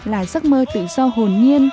là giấc mơ tự do hồn nhiên